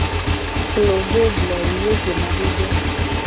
Klo be blewu ye jena xixe a.